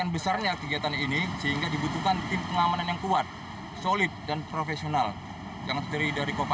bersatu bahu bahu untuk menyukseskan komodo dua ribu enam belas